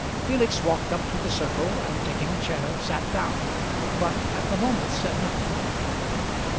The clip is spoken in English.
Felix walked up to the circle, and taking a chair sat down, but at the moment said nothing.